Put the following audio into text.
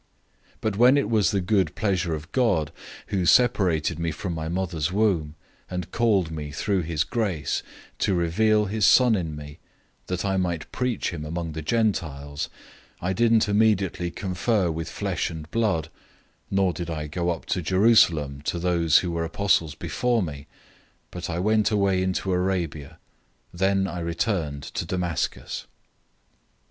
001:015 But when it was the good pleasure of God, who separated me from my mother's womb, and called me through his grace, 001:016 to reveal his Son in me, that I might preach him among the Gentiles, I didn't immediately confer with flesh and blood, 001:017 nor did I go up to Jerusalem to those who were apostles before me, but I went away into Arabia. Then I returned to Damascus.